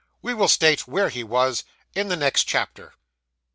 We will state where he was, in the next chapter.